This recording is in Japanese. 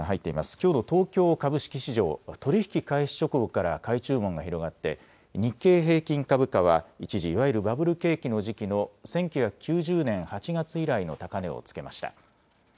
きょうの東京株式市場、取り引き開始直後から買い注文が広がって、日経平均株価は一時いわゆるバブル景気の時期の１９９０年８月以来の高値をつけました。